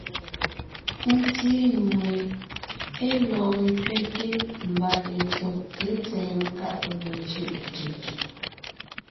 Ńtí nue (é lɔɔn ńkẅɛte mbà) letɔgté tsɛ̀ɛ nkáʼ ge cʉ́ʼ tʉ tʉ.